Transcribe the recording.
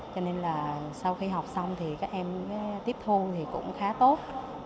cho nên là sau khi học xong thì các em tiếp thu thì cũng khá tốt